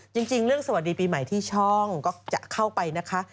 จริงเรื่องสวัสดีปีใหม่ที่ช่องก็จะเข้าไปนะคะ